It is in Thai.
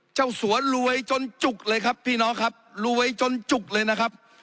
สัวรวยจนจุกเลยครับพี่น้องครับรวยจนจุกเลยนะครับ